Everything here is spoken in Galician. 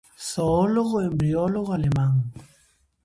Zoólogo e embriólogo alemán.